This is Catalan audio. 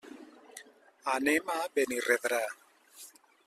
Anem a Benirredrà.